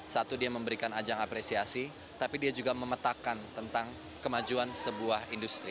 satu dia memberikan ajang apresiasi tapi dia juga memetakan tentang kemajuan sebuah industri